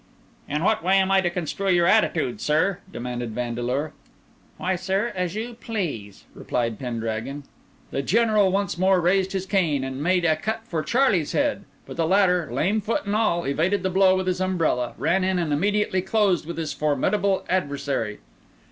"In what way am I to construe your attitude, sir?" demanded Vandeleur. "Why, sir, as you please," returned Pendragon. The General once more raised his cane, and made a cut for Charlie's head; but the latter, lame foot and all, evaded the blow with his umbrella, ran in, and immediately closed with his formidable adversary.